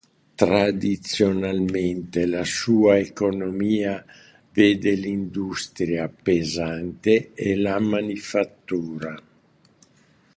Tradizionalmente la sua economia vede l'industria pesante e la manifattura.